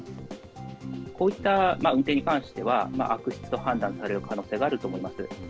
こういった運転に関しては、悪質と判断される可能性があると思います。